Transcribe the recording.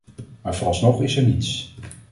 Maar vooralsnog is er niets.